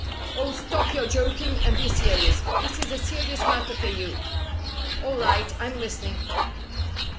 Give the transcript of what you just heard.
"Oh, stop your joking, and be serious. This is a serious matter for you." " AU right, I'm listening."